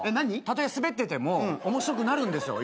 たとえスベってても面白くなるんですよ